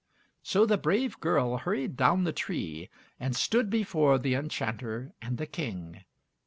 So the brave girl hurried down the tree, and stood before the enchanter and the King.